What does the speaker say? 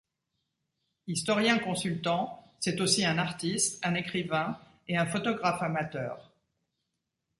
Historien consultant, c'est aussi un artiste, un écrivain et un photographe amateur.